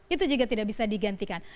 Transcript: itu juga tidak bisa digantikan